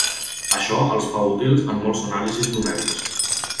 Això els fa útils en molts anàlisis numèrics.